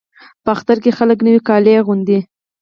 په اختر کې خلک نوي کالي اغوندي.